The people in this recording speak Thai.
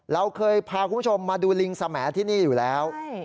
เราเคยพาคุณผู้ชมมาดูลิงสมที่นี่อยู่แล้ว